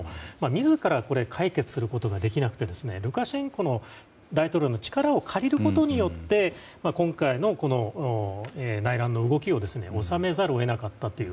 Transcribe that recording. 自ら解決することができなくてルカシェンコ大統領の力を借りることによって今回の内乱の動きを収めざるを得なかったという。